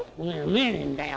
見えねえんだよ。